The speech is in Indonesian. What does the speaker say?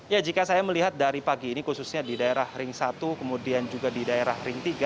ya jika saya melihat dari pagi ini khususnya di daerah ring satu kemudian juga di daerah ring tiga